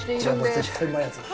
絶対うまいやつだ。